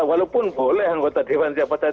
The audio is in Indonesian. walaupun boleh anggota dewan siapa saja